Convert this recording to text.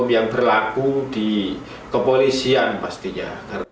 yang berlaku di kepolisian pastinya